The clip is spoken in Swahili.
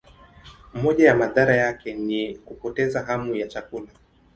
Moja ya madhara yake ni kupoteza hamu ya chakula.